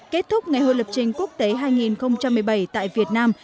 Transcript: kết thúc ngày hội lập trình quốc tế hai nghìn một mươi bảy tại việt nam